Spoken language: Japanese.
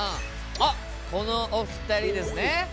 あっこのお二人ですね。